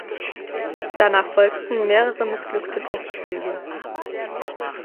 Danach folgten mehrere missglückte Testflüge.